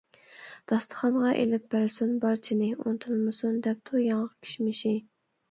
داستىخانغا ئىلىپ بەرسۇن بارچىنى، ئۇنتۇلمىسۇن دەپتۇ ياڭاق كىشمىشى.